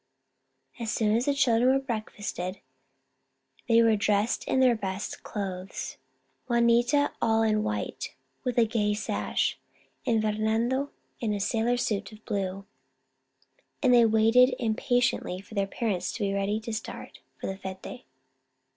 117 n8 Our Little Spanish Cousin As soon as the children were breakfasted, they were dressed in their best clothes, Juanita all in white, with a gay sash, and Fernando in a sailor suit of blue, and they waited impa tiently for their parents to be ready to start for the fete.